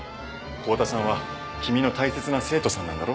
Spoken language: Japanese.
幸田さんは君の大切な生徒さんなんだろ？